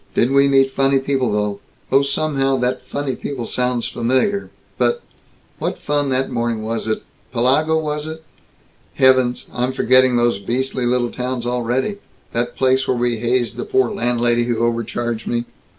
Didn't we meet funny people though! Oh, somehow that 'funny people' sounds familiar. But What fun that morning was at Pellago, was it? Heavens, I'm forgetting those beastly little towns already that place where we hazed the poor landlady who overcharged me."